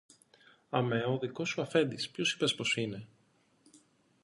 Αμέ ο δικός σου αφέντης, ποιος είπες πως είναι;